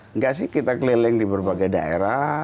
enggak sih kita keliling di berbagai daerah